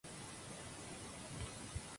Tolera anegamiento y sequía.